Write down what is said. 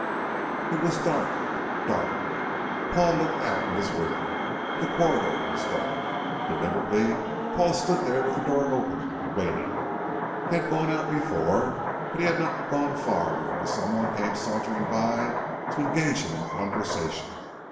It was dark ... dark.... Paul looked out of his room. The corridor was dark. Deliberately, Paul stood there with the door open, waiting. He had gone out before, but had not gone far before someone came sauntering by to engage him in conversation.